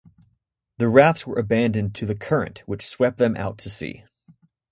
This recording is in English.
The rafts were abandoned to the current, which swept them out to sea.